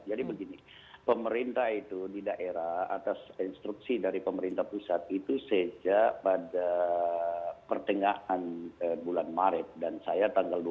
jadi begini pemerintah itu di daerah atas instruksi dari pemerintah pusat itu sejak pada pertengahan bulan maret dan saya tanggal dua puluh maret